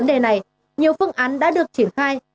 ngày em được này